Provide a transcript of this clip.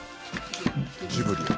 ジブリや。